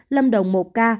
lâm đồng một ca